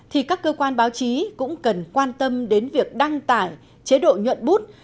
thì các cơ quan báo chí cũng cần quan tâm đến việc đăng tải chế độ nhuận bút